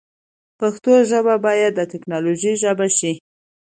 پښتو ژبه باید د تکنالوژۍ ژبه شی